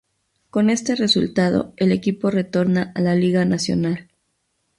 Con este resultado, el equipo retorna a la liga nacional.